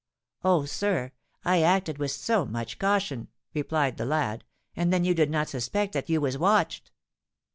"Oh! sir—I acted with so much caution," replied the lad; "and then you did not suspect that you was watched."